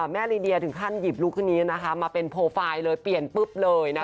ลีเดียถึงขั้นหยิบลูกคนนี้นะคะมาเป็นโปรไฟล์เลยเปลี่ยนปุ๊บเลยนะคะ